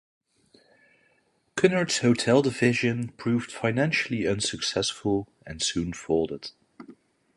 Cunard's hotel division proved financially unsuccessful and soon folded.